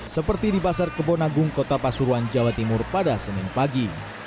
seperti di pasar kebonagung kota pasuruan jawa timur pada senin pagi